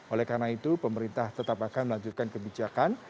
oleh karena itu pemerintah tetap akan melanjutkan kebijakan